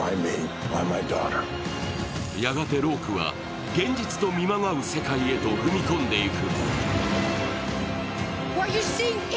やがてロークは現実と見まがう世界へと踏み込んでいく。